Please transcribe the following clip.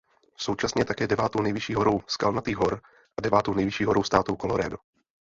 Současně je také devátou nejvyšší horou Skalnatých hor a devátou nejvyšší horou státu Colorado.